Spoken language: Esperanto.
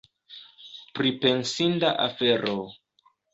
Pripensinda afero!